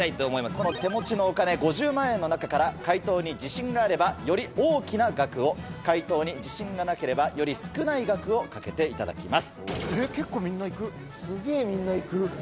この手持ちのお金５０万円の中から解答に自信があればより大きな額を解答に自信がなければより少ない額を賭けていただきます。